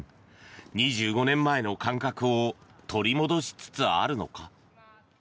２５年前の感覚を取り戻しつつあるのか。